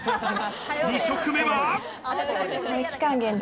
２食目は。